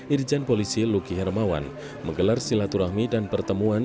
irjen polisi luki hermawan menggelar silaturahmi dan pertemuan